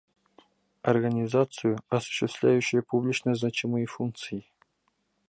«, организацию, осуществляющую публично значимые функции,»;